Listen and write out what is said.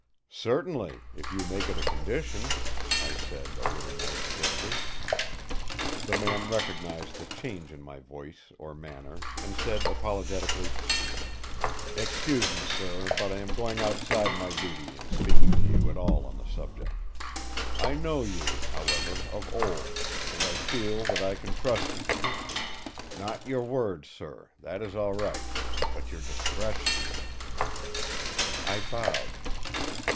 "Certainly, if you make it a condition!" I said a little more stiffly. The man recognised the change in my voice or manner, and said apologetically: "Excuse me, sir, but I am going outside my duty in speaking to you at all on the subject. I know you, however, of old; and I feel that I can trust you. Not your word, sir, that is all right; but your discretion!" I bowed.